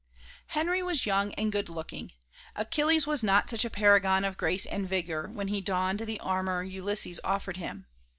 Henry was young and good looking; Achilles was not such a paragon of grace and vigour when he donned the armour Ulysses offered him.